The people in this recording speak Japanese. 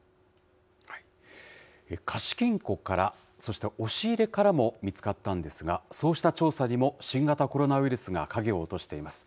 貸金庫から、そして押し入れからも見つかったんですが、そうした調査にも、新型コロナウイルスが影を落としています。